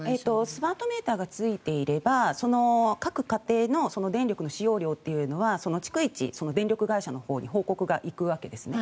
スマートメーターがついていればその各家庭の電力の使用量というのは逐一、電力会社のほうに報告が行くわけですね。